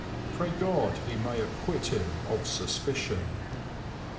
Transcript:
Pray God he may acquit him of suspicion!